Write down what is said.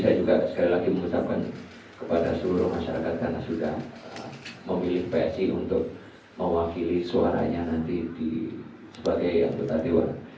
saya juga sekali lagi mengucapkan kepada seluruh masyarakat karena sudah memilih psi untuk mewakili suaranya nanti sebagai ketua dewan